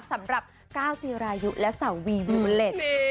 สำหรับก้าวจิลาดิและสาววีลูเล็ด